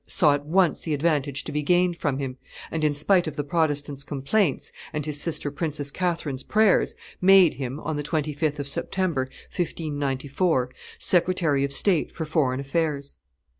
saw at once the advantage to be gained from him, and, in spite of the Protestants' complaints, and his sister Princess Catherine's prayers, made him, on the 25th of September, 1594, secretary of state for foreign affairs.